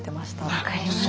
分かります。